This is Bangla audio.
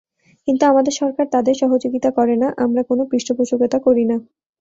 কিন্তু আমাদের সরকার তাদের সহযোগিতা করে না, আমরা কোনো পৃষ্ঠপোষকতা করি না।